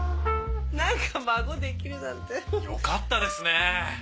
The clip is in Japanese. なんか孫できるなんて。よかったですね。